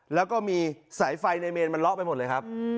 แล้วก็มีสายไฟในเมนมันเลาะไปหมดเลยครับ